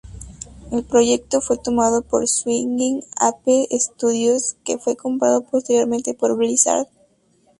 El proyecto fue tomado por Swingin' Ape Studios, que fue comprado posteriormente por Blizzard.